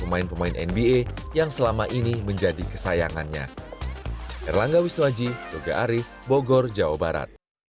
pemain pemain nba yang selama ini menjadi kesayangannya